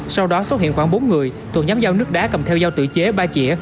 sau đó xuất hiện khoảng bốn người thuộc nhóm giao nước đá cầm theo dao tự chế ba chĩa